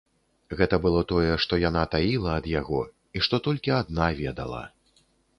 Гэта было тое, што яна таіла ад яго і што толькі адна ведала.